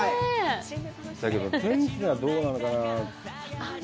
だけど、天気がどうなのかなぁ。